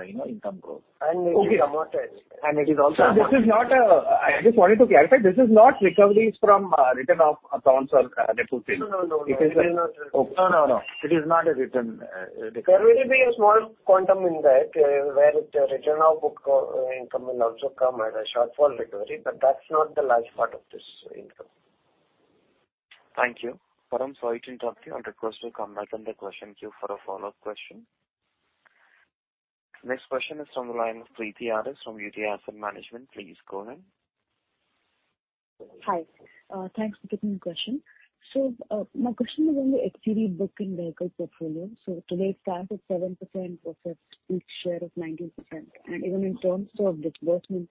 you know, income growth. It is amortized. This is not a... I just wanted to clarify, this is not recoveries from return of accounts or deposits. No, no. No, no. It is not a return. There will be a small quantum in that, where the return of book income will also come as a shortfall recovery, but that's not the large part of this income. Thank you. Param, sorry to interrupt you. I'll request you to come back on the question queue for a follow-up question. Next question is from the line of Preeti RS from UTI Asset Management. Please go ahead. Hi. Thanks for taking the question. My question is on the LCV book and vehicle portfolio. Today, it stands at 7% of its peak share of 19%. Even in terms of disbursement,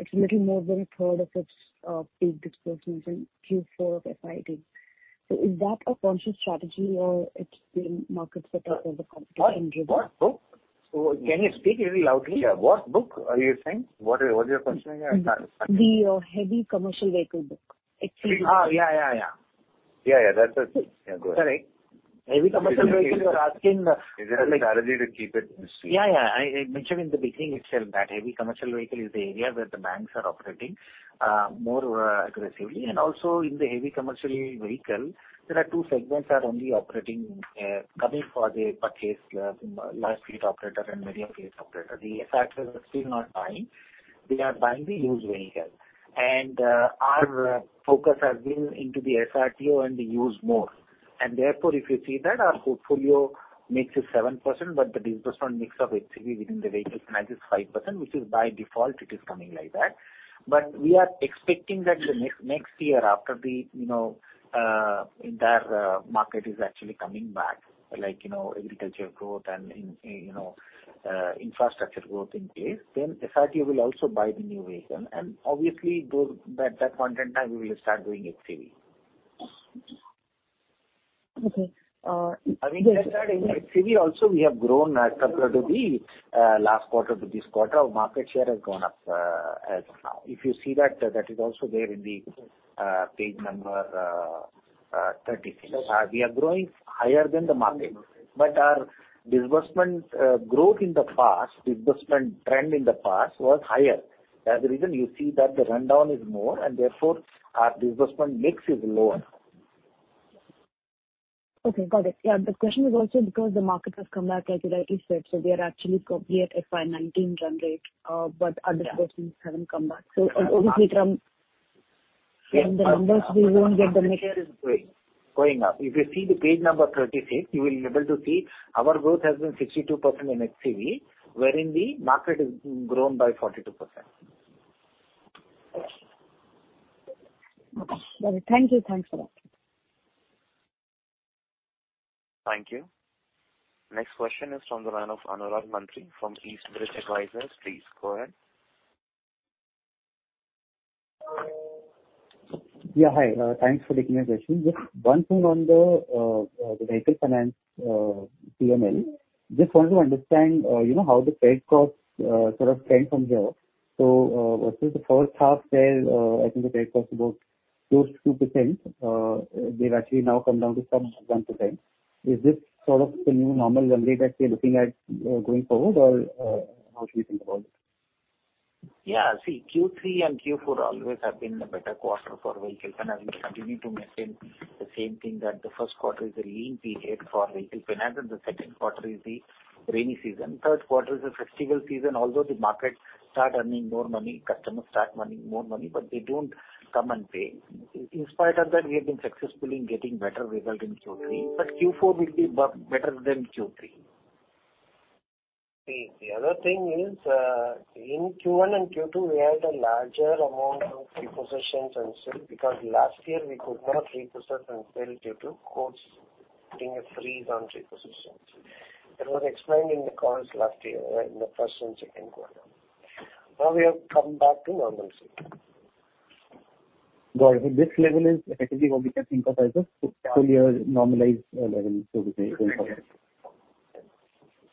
it's little more than a third of its peak disbursements in Q4 of FY 2018. Is that a conscious strategy or it's been market specific or the competition driven? What? What book? Can you speak a little loudly? What book are you saying? What is your question again? The heavy commercial vehicle book. LCV. Yeah, yeah. Yeah, yeah. That's it. Yeah, go ahead. Correct. Heavy commercial vehicle, you're asking? Is it a strategy to keep it this way? Yeah, yeah. I mentioned in the beginning itself that heavy commercial vehicle is the area where the banks are operating more aggressively. Also in the heavy commercial vehicle, there are two segments are only operating coming for the purchase, large fleet operator and medium fleet operator. The SRTOs are still not buying. They are buying the used vehicle. Our focus has been into the SRTO and the used more. Therefore, if you see that our portfolio mix is 7%, but the disbursement mix of LCV within the vehicle finance is 5%, which is by default it is coming like that. We are expecting that the next year after the, you know, entire market is actually coming back, like, you know, agriculture growth and, you know, infrastructure growth in case, then SRTO will also buy the new vehicle. Obviously, at that point in time, we will start doing LCV. Okay. I mean, like that in LCV also we have grown as compared to the last quarter to this quarter. Our market share has gone up as of now. If you see that is also there in the page number 36. We are growing higher than the market. Our disbursement growth in the past, disbursement trend in the past was higher. That's the reason you see that the rundown is more and therefore our disbursement mix is lower. Okay, got it. Yeah. The question is also because the market has come back, as you rightly said. They are actually probably at FY19 run rate. Other disbursements haven't come back. Obviously. Yeah. From the numbers, we won't get the mix. Market share is growing, going up. If you see the page number 36, you will be able to see our growth has been 62% in LCV, wherein the market has grown by 42%. Okay. Got it. Thank you. Thanks for that. Thank you. Next question is from the line of Anurag Mantri from East Bridge Advisors. Please go ahead. Yeah, hi. thanks for taking my question. Just one thing on the vehicle finance, PMLA. Just want to understand, you know, how the paid cost, sort of trend from here. Since the first half said, I think the paid cost about close to 2%, they've actually now come down to some 1%. Is this sort of a new normal run rate that we are looking at, going forward? Or, how do you think about it? Q3 and Q4 always have been the better quarter for vehicle finance. We continue to maintain the same thing that the first quarter is a lean period for vehicle finance, the second quarter is the rainy season. Third quarter is the festival season. Although the market start earning more money, customers start more money, they don't come and pay. In spite of that, we have been successful in getting better result in Q3. Q4 will be better than Q3. The other thing is, in Q1 and Q2, we had a larger amount of repossessions and sale because last year we could not repossess and sell due to courts putting a freeze on repossessions. That was explained in the calls last year, in the first and second quarter. Now we have come back to normalcy. Got it. This level is effectively what we can think of as a full year normalized level, so to say.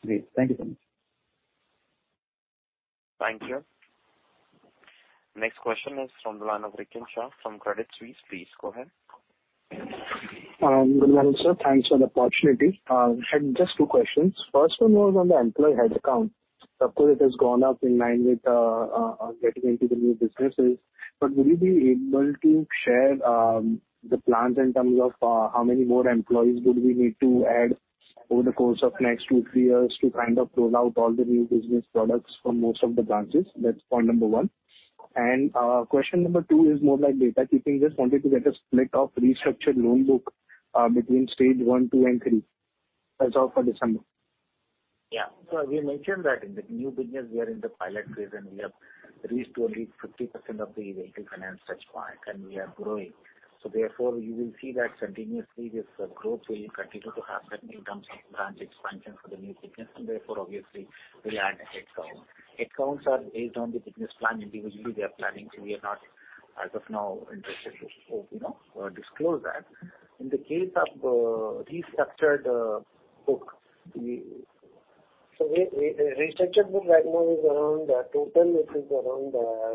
Great. Thank you so much. Thank you. Next question is from the line of Rikin Shah from Credit Suisse. Please go ahead. Good morning, sir. Thanks for the opportunity. Had just two questions. First one was on the employee head count. Of course, it has gone up in line with getting into the new businesses. Will you be able to share the plans in terms of how many more employees would we need to add over the course of next two to three years to kind of roll out all the new business products for most of the branches? That's point number one. Question number two is more like data keeping. Just wanted to get a split of restructured loan book between stage one, two, and three. As of for December. We mentioned that in the new business we are in the pilot phase and we have reached only 50% of the vehicle finance touchpoint, and we are growing. Therefore, you will see that continuously this growth will continue to happen in terms of branch expansion for the new business and therefore obviously we'll add head count. Head counts are based on the business plan individually we are planning. We are not as of now interested to, you know, disclose that. In the case of restructured book, restructured book right now is around, total it is around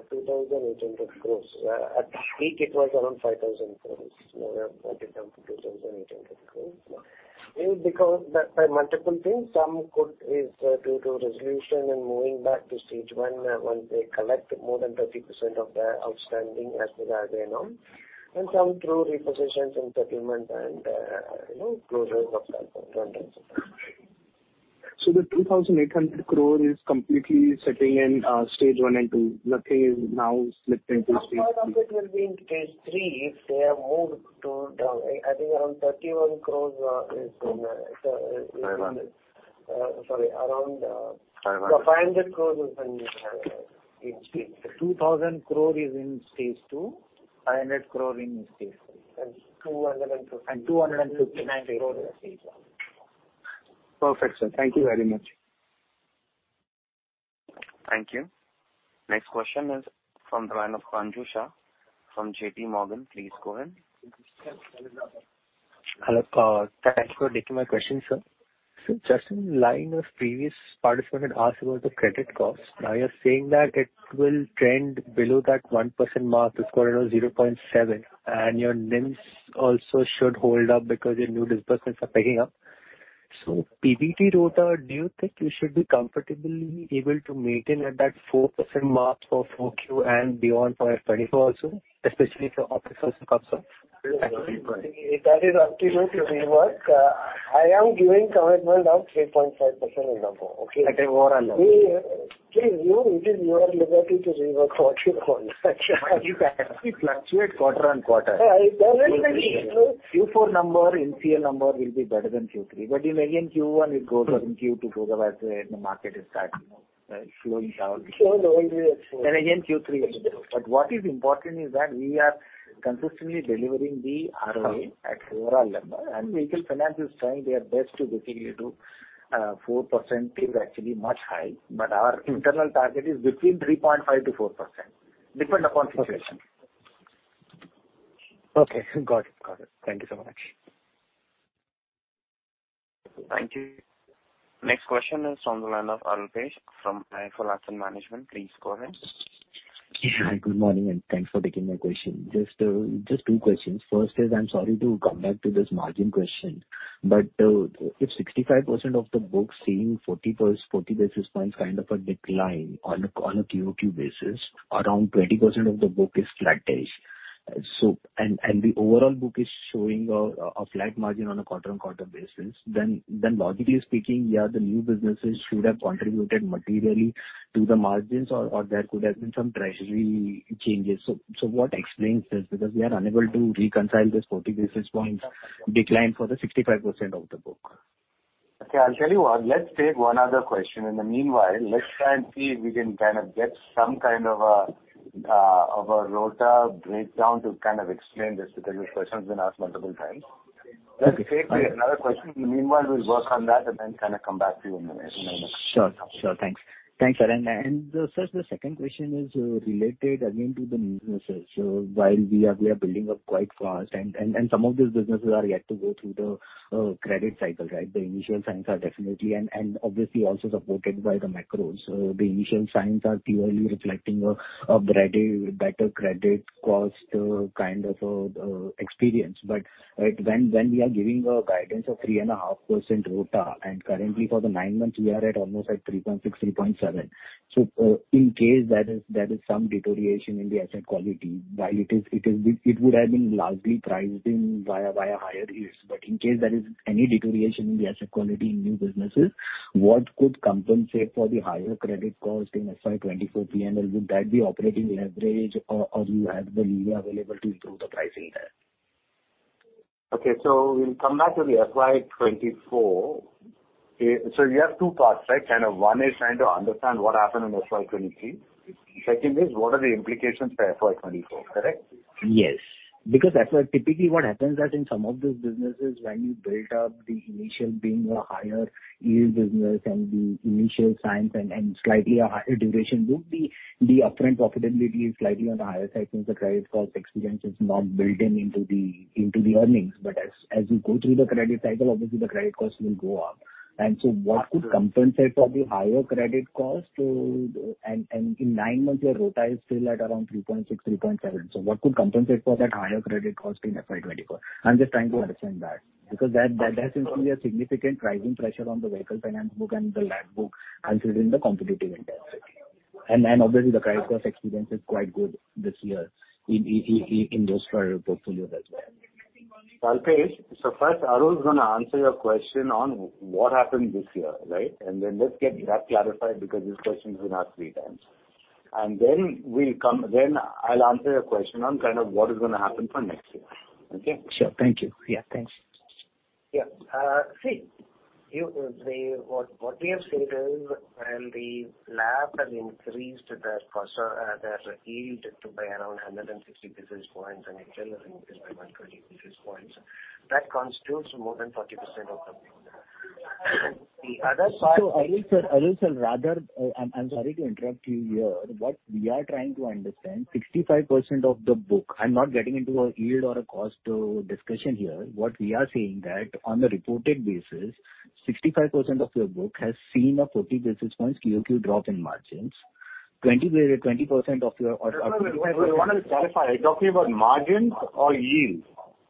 2,800 crores. At peak it was around 5,000 crores. Now we have brought it down to 2,800 crores. Main because that by multiple things, some could is due to resolution and moving back to stage one when they collect more than 30% of their outstanding as they are there now. Some through repossessions and settlement and, you know, closures of certain trends. The 2,800 crore is completely sitting in stage one and two. Nothing is now slipped into stage three. Some part of it will be in phase three if they have moved to the... I think around INR 31 crore is in. Sorry, around INR 500 crore is in stage three. 2,000 crore is in stage two, 500 crore in stage three. 259 crore in stage one. Perfect, sir. Thank you very much. Thank you. Next question is from the line of Anuj Shah from J.P. Morgan. Please go ahead. Hello. Thanks for taking my question, sir. Just in line with previous participant had asked about the credit costs. Now you're saying that it will trend below that 1% mark, this quarter now 0.7%, and your NIMs also should hold up because your new disbursements are picking up. PBT ROA, do you think you should be comfortably able to maintain at that 4% mark for 4Q and beyond for FY 2024 also, especially for offices and concerts? Thank you. That is up to you to rework. I am giving commitment of 3.5% and above. Okay? At a overall number. Please, it is your liberty to rework what you call It actually fluctuates quarter on quarter. It definitely Q4 number in CFL number will be better than Q3. In again Q1 it goes down, Q2 goes up as the market is starting to flowing out. Flowing, always will flow. Again Q3 will go. What is important is that we are consistently delivering the ROA at overall number and vehicle finance is trying their best to get you to 4% is actually much high. Our internal target is between 3.5% to 4%, depend upon situation. Okay. Got it. Got it. Thank you so much. Thank you. Next question is on the line of Alpesh from IIFL Asset Management. Please go ahead. Good morning and thanks for taking my question. Just two questions. First is, I'm sorry to come back to this margin question, but if 65% of the book seeing 40%, 40 basis points kind of a decline on a QoQ basis, around 20% of the book is flat-ish. The overall book is showing a flat margin on a quarter-on-quarter basis, then logically speaking, the new businesses should have contributed materially to the margins or there could have been some treasury changes. What explains this? Because we are unable to reconcile this 40 basis points decline for the 65% of the book. Okay, I'll tell you what. Let's take one other question. In the meanwhile, let's try and see if we can kind of get some kind of a of a ROTA breakdown to kind of explain this, because this question's been asked multiple times. Let's take another question. In the meanwhile, we'll work on that and then kind of come back to you in a minute. Sure. Thanks, sir and, sir, the second question is related again to the new businesses. While we are building up quite fast and some of these businesses are yet to go through the credit cycle, right? The initial signs are definitely and obviously also supported by the macros. The initial signs are clearly reflecting a better credit cost kind of experience. When we are giving a guidance of 3.5% ROTA and currently for the nine months we are at almost at 3.6, 3.7. In case there is some deterioration in the asset quality, while it would have been largely priced in via higher yields. In case there is any deterioration in the asset quality in new businesses, what could compensate for the higher credit cost in FY 2024 PNL? Would that be operating leverage or you have the leeway available to improve the pricing there? Okay. We'll come back to the FY 2024. You have two parts, right? Kind of one is trying to understand what happened in FY 2023. Second is what are the implications for FY 2024. Correct? Yes. That's where typically what happens is in some of these businesses when you build up the initial being a higher yield business and the initial signs and slightly a higher duration book, the upfront profitability is slightly on the higher side since the credit cost experience is not built in into the earnings. As you go through the credit cycle, obviously the credit cost will go up. What could compensate for the higher credit costs? In nine months your ROTA is still at around 3.6, 3.7. What could compensate for that higher credit cost in FY 2024? I'm just trying to understand that because that seems to be a significant pricing pressure on the vehicle finance book and the LAP book considering the competitive intensity. Obviously the credit cost experience is quite good this year in those portfolios as well. Alpesh, first, Arun is gonna answer your question on what happened this year, right? Let's get that clarified because this question's been asked three times. I'll answer your question on kind of what is gonna happen for next year. Okay? Sure. Thank you. Yeah. Thanks. Yeah. see, what we have said is when the LAP has increased their cost, their yield to by around 160 basis points and retail has increased by 120 basis points, that constitutes more than 40% of the book. Arun, sir, rather, I'm sorry to interrupt you here. What we are trying to understand, 65% of the book, I'm not getting into a yield or a cost discussion here. What we are saying that on the reported basis, 65% of your book has seen a 40 basis points QOQ drop in margins. 20% of your- No, no. I wanna clarify. Are you talking about margins or yield?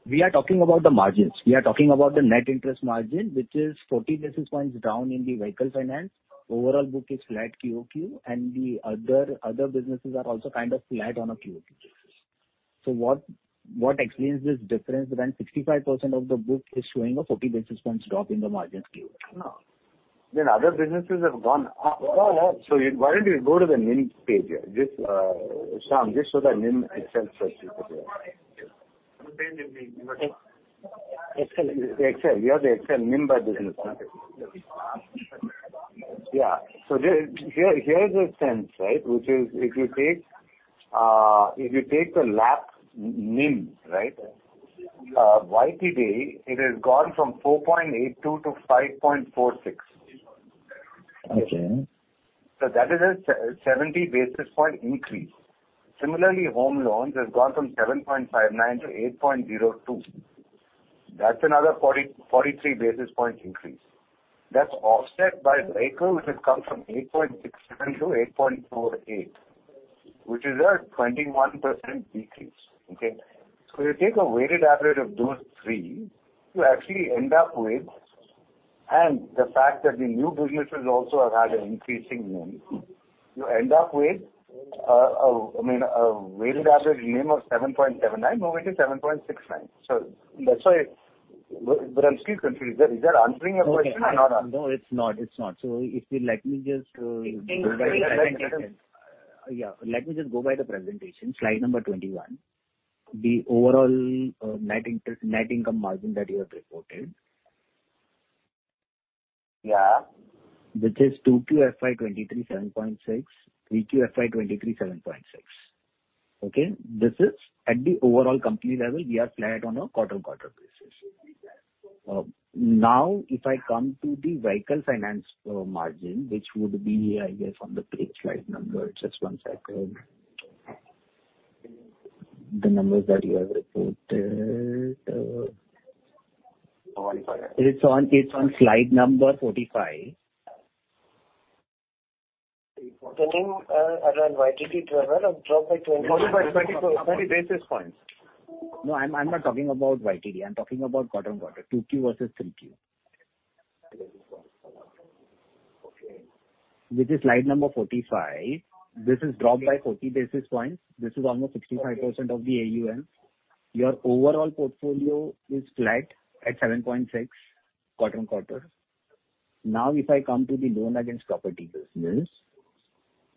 We are talking about the margins. We are talking about the net interest margin, which is 40 basis points down in the vehicle finance. Overall book is flat QOQ, and the other businesses are also kind of flat on a QOQ basis. What explains this difference when 65% of the book is showing a 40 basis points drop in the margins QOQ? No. Other businesses have gone up. Why don't you go to the NIM page? This, Shyam, just show the NIM Excel sheet. Ex-excel. Excel. You have the Excel NIM by business, no? Yeah. Here's a sense, right? Which is if you take the LAP NIM, right? YTD, it has gone from 4.82%-5.46%. Okay. That is a 70 basis point increase. Similarly, home loans has gone from 7.59 to 8.02. That's another 43 basis points increase. That's offset by vehicles that come from 8.67 to 8.48, which is a 21% decrease. Okay? You take a weighted average of those three, you actually end up with... The fact that the new businesses also have had an increasing NIM, you end up with, I mean, a weighted average NIM of 7.79 moving to 7.69. That's why... I'm still confused. Is that answering your question or not? No, it's not. It's not. If you let me just go by the presentation. Yeah. Let me just go by the presentation. Slide number 21. The overall, net interest, net income margin that you have reported. Yeah. Which is 2Q FY 23, 7.6%, 3Q FY 23, 7.6%. Okay? This is at the overall company level, we are flat on a quarter-on-quarter basis. Now if I come to the vehicle finance margin, which would be, I guess, on the page slide number, just one second. The numbers that you have reported. Forty-five. It's on slide number 45. The NIM, around YTD 12 have dropped by 20%. No, I'm not talking about YTD. I'm talking about quarter on quarter, 2Q versus 3Q. Okay. Which is slide number 45. This is dropped by 40 basis points. This is almost 65% of the AUM. Your overall portfolio is flat at 7.6 quarter-on-quarter. If I come to the loan against property business,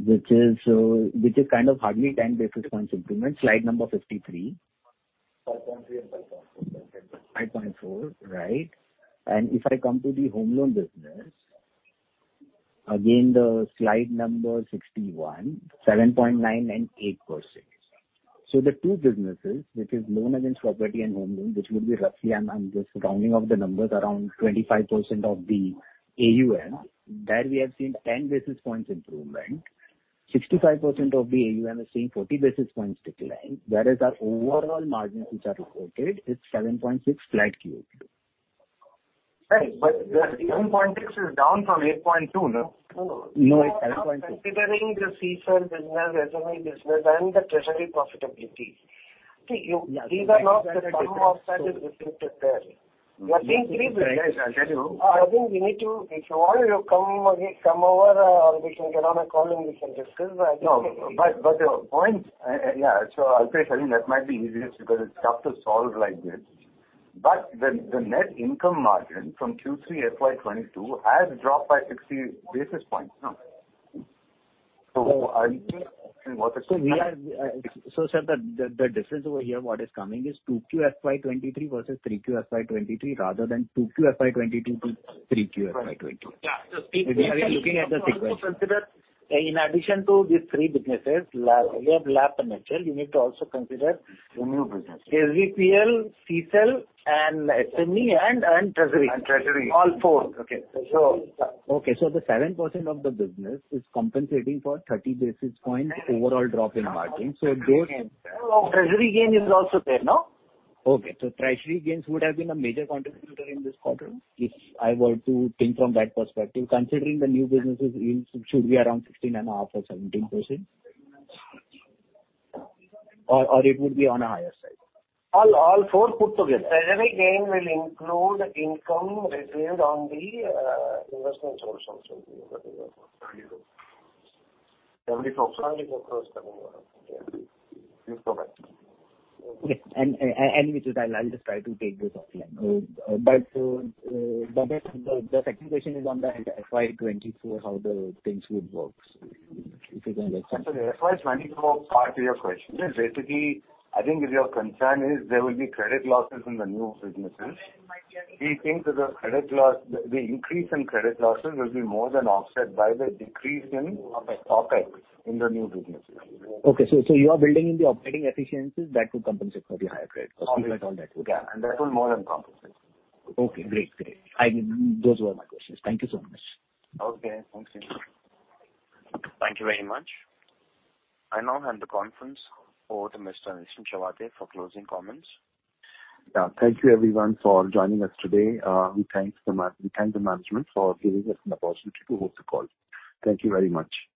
which is, which is kind of hardly 10 basis points improvement, slide number 53. Five point three and five point four. 5.4%, right. If I come to the home loan business, again, the slide number 61, 7.9% and 8%. The two businesses, which is loan against property and home loan, which would be roughly, I'm just rounding up the numbers around 25% of the AUM, there we have seen ten basis points improvement. 65% of the AUM is seeing 40 basis points decline, whereas our overall margins which are reported is 7.6% flat QOQ. Right. The 7.6 is down from 8.2, no? No, it's 7.2. Considering the CSEL business, SME business, and the treasury profitability. These are not the sum of that is reflected there. Yes, I'll tell you. Arun, we need to. If you want, you come again, come over, we can get on a call and we can discuss. No, but the point. Yeah. I'll tell you, Shyam, that might be easiest because it's tough to solve like this. The net income margin from Q3 FY22 has dropped by 60 basis points, no? I think what. We are sir, the difference over here, what is coming is 2Q FY23 versus 3Q FY23, rather than 2Q FY22 to 3Q FY22. Right. Yeah. We are looking at the sequence. In addition to these three businesses, we have LAP financial, you need to also consider. New business. SBPL, CSEL and SME and treasury. Treasury. All four. Okay. So. Okay. The 7% of the business is compensating for 30 basis points overall drop in margin. Treasury gain is also there, no? Okay. treasury gains would have been a major contributor in this quarter. If I were to think from that perspective, considering the new businesses yield, it should be around 16.5 or 17%. It would be on a higher side. All 4 put together. Treasury gain will include income received on the investment source also. 74%. 74%. Yeah. You're correct. Yes. Which is I'll just try to take this offline. The next, the second question is on the FY 2024, how the things would work, if you can let us know. Sorry, FY 2024, part of your question is basically, I think if your concern is there will be credit losses in the new businesses. We think that the credit loss, the increase in credit losses will be more than offset by the decrease in OpEx in the new businesses. Okay. You are building in the operating efficiencies that would compensate for the higher credit cost, you've got all that. Okay. Yeah. That will more than compensate. Okay, great. Great. I mean, those were my questions. Thank you so much. Okay. Thanks. Thank you very much. I now hand the conference over to Mr. Nishant Shah for closing comments. Yeah. Thank you everyone for joining us today. We thank the management for giving us an opportunity to host the call. Thank you very much.